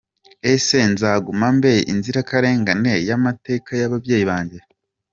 Ese nzagume mbe Inzirakarengane y'amateka y'ababyeyi banjye ?.